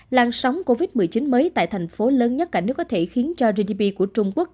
làn sóng covid một mươi chín mới tại thành phố lớn nhất cả nước có thể khiến cho gdp của trung quốc